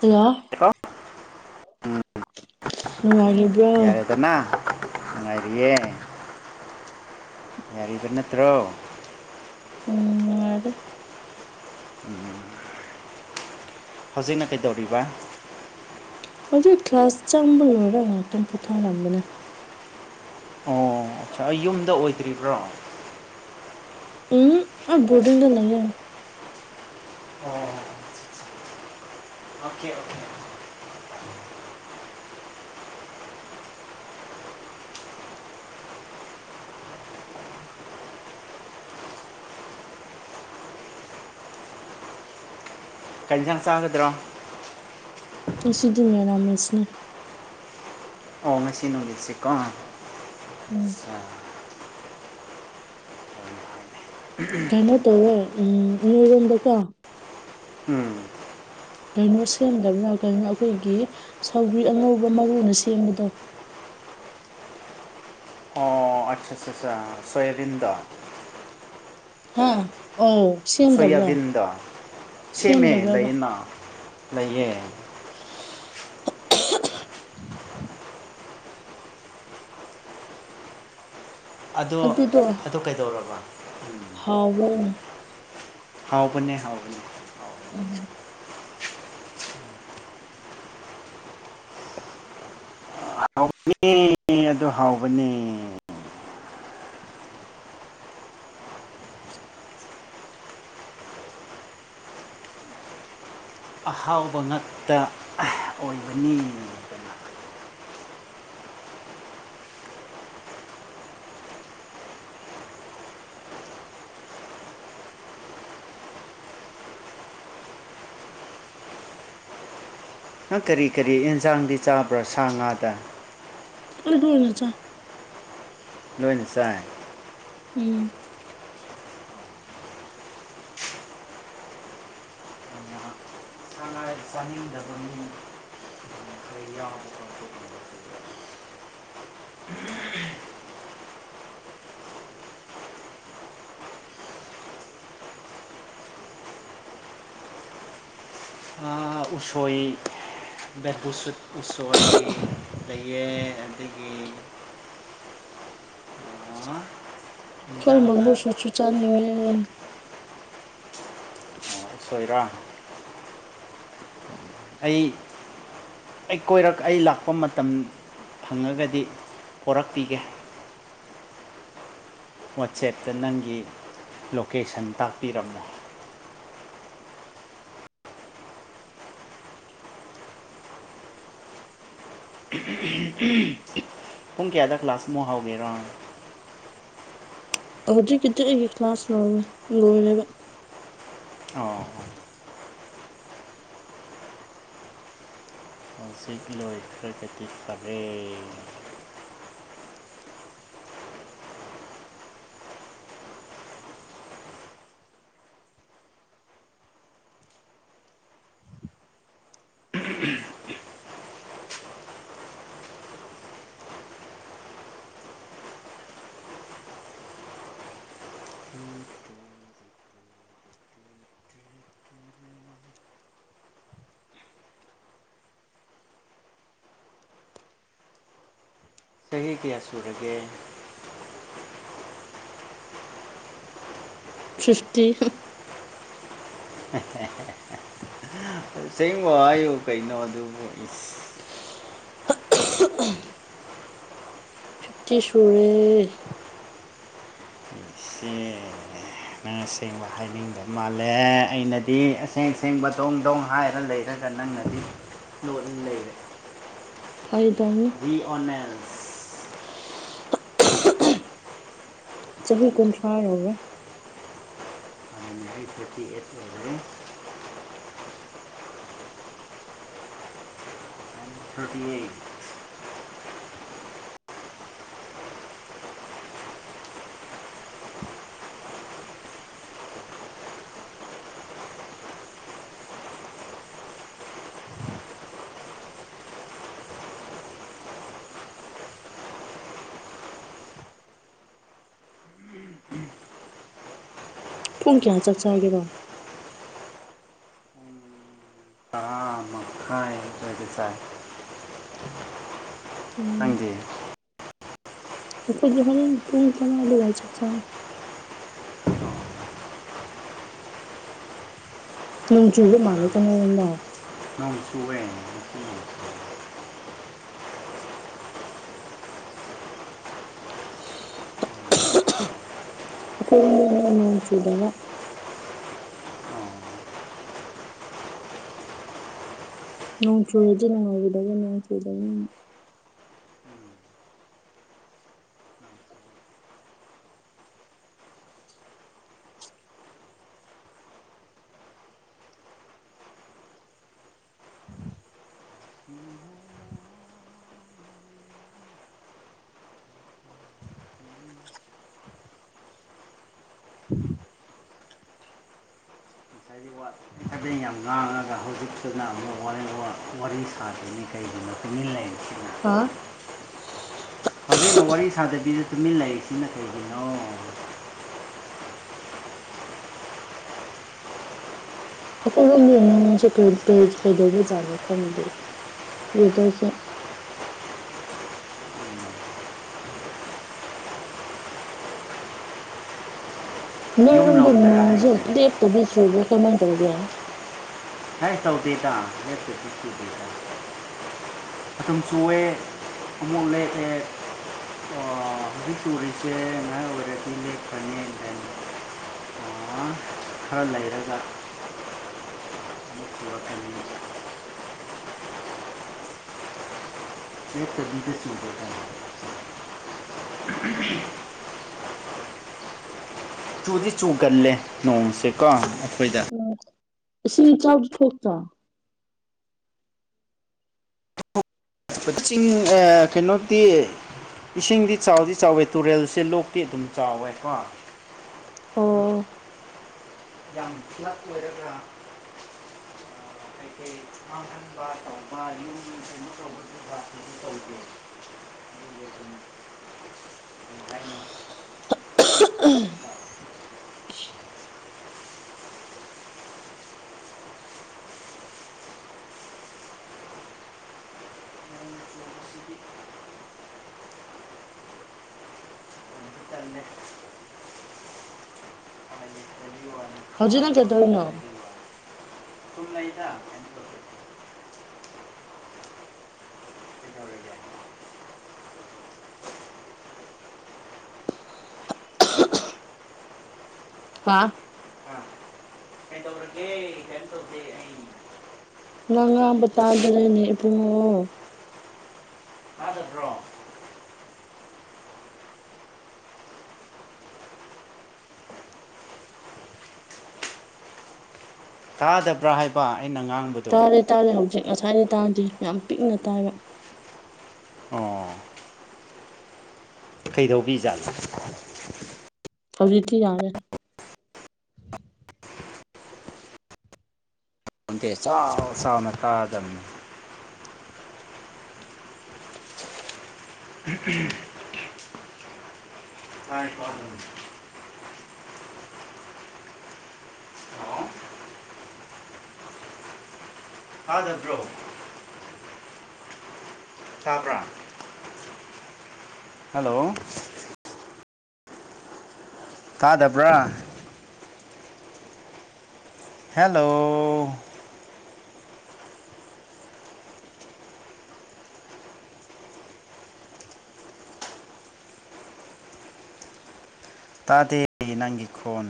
Hello hello ꯎꯝ ꯅꯨꯡꯉꯥꯏꯔꯤ ꯌꯥꯔꯦꯗꯅ ꯅꯨꯡꯉꯥꯏꯔꯤꯌꯦ ꯅꯨꯉꯥꯏꯔꯤꯕ꯭ꯔꯥ ꯅꯠꯇ꯭ꯔꯣ ꯎꯝ ꯑꯔꯦ [unintelligible] ꯎꯝ [unintelligible] ꯍꯧꯖꯤꯛꯅ ꯀꯩꯗꯧꯔꯤꯕ ꯍꯧꯖꯤꯛ ꯀ꯭ꯂꯥꯁ ꯆꯪꯕ ꯂꯣꯏꯔꯒ ꯉꯥꯛꯇꯪ ꯄꯣꯊꯥꯔꯝꯕꯅꯦ ꯑ ꯑꯩ ꯌꯨꯝꯗ ꯑꯣꯏꯗ꯭ꯔꯤꯕ꯭ꯔꯣ ꯎꯝ ꯑꯩ ꯕꯣꯔꯗꯤꯡꯗ ꯂꯩꯌꯦ ꯑꯣ [unintelligible] ꯑꯣꯀꯦ ꯑꯣꯀꯦ ꯀꯩ ꯖꯥꯡ ꯆꯥꯒꯗ꯭ꯔꯣ ꯉꯁꯤꯗꯤ ꯃꯦꯔ ꯃꯦꯁꯅꯦ ꯑꯣ ꯃꯁꯤ ꯅꯨꯃꯤꯠꯁꯤꯀꯣ ꯎꯝ ꯑꯠꯆꯥ ꯀꯩꯅꯣ ꯇꯧꯌꯦ ꯎꯝ ꯔꯣꯗ ꯀ ꯎꯝ ꯀꯩꯅꯣ ꯁꯦꯝꯗꯕ꯭ꯔꯥ ꯀꯅꯣ ꯑꯩꯈꯣꯏꯒꯤ ꯁꯧꯒ꯭ꯔꯤ ꯑꯉꯧꯕ ꯃꯔꯨꯅ ꯁꯦꯝꯕꯗꯣ ꯑ ꯁꯦꯁ ꯁꯣꯌꯕꯔꯤꯟꯗ ꯍꯥ ꯑꯣ ꯁꯦꯝꯗꯕ꯭ꯔꯥ ꯁꯣꯌꯥꯕꯤꯟꯗꯣ ꯁꯦꯝꯃꯦ ꯁꯦꯝꯗꯕ꯭ꯔꯕ꯭ꯔ ꯂꯩꯌꯦꯅ ꯂꯩꯌꯦ [inaudible] ꯑꯗꯣ ꯑꯗꯨꯗꯣ ꯑꯗꯣ ꯀꯩꯗꯧꯔꯕ ꯍꯥꯎꯕꯅꯦ ꯍꯥꯎꯕꯅꯦ ꯍꯥꯎꯕꯅꯦ ꯎ [inaudible] ꯑꯅꯤ [inaudible] ꯑꯗꯨ ꯍꯥꯎꯕꯅꯦ ꯑꯍꯥꯎꯕ ꯉꯛꯇ ꯑꯣꯏꯕꯅꯤ ꯅꯪ ꯀꯔꯤ ꯀꯔꯤ ꯑꯦꯟꯁꯥꯡꯗꯤ ꯆꯥꯕ꯭ꯔꯥ ꯁꯥ ꯉꯥꯗ ꯑ ꯀꯣꯅꯆꯥ [unintelligible] ꯂꯣꯏꯅ ꯆꯥꯏ ꯎꯝ ꯊꯉꯥꯏ ꯆꯅꯤꯗꯕ ꯃꯤ ꯈꯔ [unintelligible] ꯎꯁꯣꯏ ꯕꯕꯨꯠ ꯎꯁꯣꯏ ꯂꯩꯌꯦ ꯑꯗꯒꯤ ꯑꯩꯈꯣꯏ ꯕꯦꯝꯕꯨ ꯏꯟꯖꯥꯡꯗ ꯁꯨꯠꯁꯨ ꯆꯥꯅꯤꯡꯉꯦ [unintelligible] ꯀꯣꯏꯔꯥ ꯑꯩ ꯑꯩ ꯀꯣꯏꯔꯛ ꯑꯩ ꯂꯥꯛꯄ ꯃꯇꯝ ꯐꯪꯉꯒꯗꯤ ꯄꯣꯔꯛꯄꯤꯒꯦ ꯋꯥꯆꯦꯞꯇ ꯅꯪꯒꯤ ꯂꯣꯀꯦꯁꯟ ꯇꯥꯛꯄꯤꯔꯝꯅꯣ ꯍ [unintelligible] ꯄꯨꯡ ꯀꯌꯥꯗ ꯀ꯭ꯂꯥꯁꯃꯨꯛ ꯍꯧꯔꯤꯔꯣ ꯍꯧꯗꯤ ꯀꯇ ꯑꯩ ꯌꯦ ꯀꯂ ꯁꯅꯥꯣ [unintelligible] ꯑꯣ ꯍꯧꯁꯤꯀ ꯂꯣꯏ ꯍꯧꯖꯤꯛ ꯀꯤꯗꯤ ꯐꯔꯦ ꯆꯍꯤ ꯀꯌꯥ ꯁꯨꯔꯒꯦ ꯐꯤꯐꯇꯤ [unintelligible] ꯆꯦꯡꯕ ꯍꯥꯏꯌꯨ ꯀꯩꯅꯣ ꯑꯗꯨꯕꯨ ꯐꯤꯞꯇ ꯁꯨꯔꯦ [unintelligible] ꯅꯪ ꯑꯁꯦꯡꯕ ꯍꯥꯏꯅꯤꯡꯕ ꯃꯥꯜꯂꯦ ꯑꯩꯅꯗꯤ ꯑꯁꯦꯡ ꯑ ꯁꯦꯡꯕ ꯗꯣꯡ ꯗꯣꯡ ꯍꯥꯏꯔ ꯂꯩꯔ ꯈꯔ ꯅꯪꯅꯗꯤ ꯂꯣꯂ ꯂꯩꯔꯦ ꯐꯥꯏꯗꯧꯅ [unintelligible] ꯆꯍꯤꯍꯤ ꯀꯨꯨꯝꯁꯥꯒꯦ [unintelligible] [inaudible] [unintelligible] ꯄꯨꯡ ꯀꯌꯥ ꯆꯥꯛ ꯆꯥꯒꯦꯔꯣ ꯇꯔꯥ ꯃꯈꯥꯏ ꯑꯗꯨꯒꯤꯁꯥꯏ ꯎꯝ ꯅꯪꯗ ꯑꯩꯈꯣꯏ ꯣꯔ ꯇꯨꯡ ꯇ ꯑꯗꯨꯗꯣꯕꯥꯥꯏ ꯆꯁꯥꯏ ꯅꯣꯡ ꯆꯨꯒ ꯇꯔꯥ ꯃꯥꯜꯂꯦ ꯀꯣ ꯅꯔꯃꯣ [unintelligible] ꯀꯔꯨꯝꯅ ꯅꯣꯡ ꯆꯨꯗꯅ ꯅꯣꯡ ꯆꯨꯔꯗꯤ ꯅꯨꯡꯉꯥꯏꯒꯗꯕ ꯅꯣꯡ ꯆꯨꯗ ꯑꯗꯨꯝ [unintelligible] ꯈꯕꯦꯟ ꯌꯥꯝ ꯉꯥꯡꯉꯒ ꯍꯧꯖꯤꯛꯇꯨꯅ ꯑꯃꯨꯛ ꯋꯥꯔꯤ ꯁꯥꯗ꯭ꯔꯤꯅꯤ ꯀꯩꯒꯤꯅꯣ ꯇꯨꯃꯤꯟ ꯂꯩꯔꯤꯁꯤꯅ ꯍꯥꯥ ꯍꯧꯖꯤꯛꯅ ꯋꯥꯔꯤ ꯁꯥꯗꯕꯤꯁꯦ ꯇꯨꯃꯤꯟ ꯂꯥꯏꯔꯤꯛꯁꯤꯅ ꯀꯩꯒꯤꯅꯣ ꯑꯩꯈꯣꯏ ꯂꯝꯣꯝ ꯅꯁꯦ ꯀꯔꯤ ꯀꯩꯗꯧꯕꯖꯥꯠꯅꯣ ꯈꯪꯗꯦ ꯋꯦꯗꯔꯁꯦ ꯌꯨꯝ ꯅꯣꯏꯔꯝꯕ ꯂꯣꯝꯗꯔ ꯅꯣꯡꯁꯦ ꯍꯥꯏꯁꯦ ꯂꯦꯞꯇꯕꯤ ꯆꯨꯕ꯭ꯔꯥ ꯀꯃꯥꯏꯅ ꯇꯧꯒꯦꯅꯣ [unintelligible] ꯃꯇꯝ ꯆꯨꯑꯦ ꯑꯃꯨꯛ ꯑꯃ ꯂꯦꯛꯑꯦ꯫ ꯍꯧꯖꯤꯛ ꯆꯨꯔꯤꯁꯦ ꯉꯥꯏꯍꯥꯛ ꯑꯣꯏꯔꯗꯤ ꯂꯦꯛꯄꯅꯦ ꯂꯩꯅꯤ꯫ ꯑꯥ ꯈꯔꯥ ꯂꯩꯔꯒ꯫ [unintelligible] [unintelligible] ꯆꯨꯗꯤ ꯆꯨꯒꯜꯂꯦ ꯅꯣꯡꯁꯦꯀꯣ ꯑꯩꯈꯣꯏꯗ꯫ ꯎꯝ ꯏꯁꯤꯡ ꯏꯆꯥꯎ ꯊꯣꯛꯇ꯭ꯔꫭ꯫ ꯀꯛꯆꯤꯡ ꯀꯩꯅꯣꯗꯤ꯫ ꯏꯁꯤꯡꯗꯤ ꯆꯥꯎꯗꯤ ꯆꯥꯎꯋꯦ ꯇꯨꯔꯦꯜꯁꯦ ꯂꯣꯛꯇꯤ ꯑꯗꯨꯝ ꯆꯥꯎꯋꯦ ꯀꯣ꯫ ꯑꫭ꯫ ꯅꯛ ꯑꯣꯏꯔꯒ ꯈꯟꯕ ꯇꯧꯕ ꯌꯨꯝ ꯌꯨꯝ ꯀꯩꯅꯣ ꯇꯧꯕꯁꯤ ꯇꯧꯒꯦ [inaudible] ꯀꯩ ꯍꯥꯏꯅꯤ ꯆꯥꯎꯗꯤ ꯆꯥꯎꯋꯦ ꯅꯣꯡ ꯆꯨꯕꯁꯤꯗꯤ ꯇꯟꯗꯤ ꯇꯜꯂꯦ ꯎꯄꯥꯏ ꯂꯩꯇꯕꯒꯤ ꯋꯥꯅꯤ ꯍꯧꯖꯤꯅ ꯈꯥꯡꯕ ꯀꯦꯗ ꯑꯣꯏꯅꯅꯣ ꯉꯝꯗꯕꯒꯤ ꯋꯥꯅꯤ ꯁꯨꯝ ꯂꯩꯗ ꯀꯩꯗꯧꯔꯒꯦ ꯍꯥꯥ ꯑ [unintelligible] ꯅ ꯉꯥꯝꯕ ꯇꯥꯗ꯭ꯔꯦꯅꯦ ꯏꯕꯨꯡꯉꯛꯑꯣ ꯑꯥꯗꯠꯇ꯭ꯔꯣ ꯇꯥꯗꯕ꯭ꯔꯥ ꯍꯥꯏꯕ ꯑꯩꯅ ꯉꯥꯡꯕꯗꯨ ꯇꯥꯔꯦ ꯇꯥꯔꯦ ꯍꯧꯖꯤꯛ ꯉꯁꯥꯏꯗꯤ ꯇꯥꯔꯗꯤ ꯌꯥꯝ ꯄꯤꯛꯅ ꯇꯥꯏꯕ ꯑꯣ ꯀꯩꯗꯧꯕꯤ ꯖꯥꯠꯂꯣ꯫ ꯍꯧꯖꯤꯇꯤ ꯌꯥꯔꯦ꯫ [unintelligible] ꯆꯥꯎ ꯆꯥꯎꯅ ꯇꯥꯗꯝꯅꯦ꯫ [unintelligible] ꯇꯥꯔꯤꯕꫭ꯫ ꯍꯜꯂꯣ ꯇꯥꯗꯕ꯭ꯔꫭ꯫ ꯇꯥꯕ꯭ꯔꯥ꯫ ꯍꯜꯂꯣ꯫ ꯇꯥꯗꯕ꯭ꯔꯥ꯫ ꯍꯦꯜꯂꯣ꯫ ꯇꯥꯗꯦ ꯅꯪꯒꯤ ꯈꯣꯟ꯫